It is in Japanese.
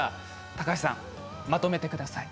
高橋さんはまとめてください。